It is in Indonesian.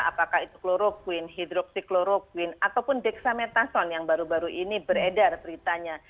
apakah itu kloroquine hidroksikloroquine ataupun dexamethasone yang baru baru ini beredar beritanya